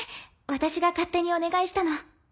私が勝手にお願いしたの。